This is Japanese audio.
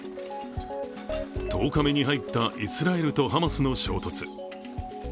１０日目に入ったイスラエルとハマスの衝突。